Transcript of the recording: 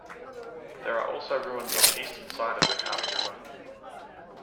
There are also ruins on the eastern side of the Khami River.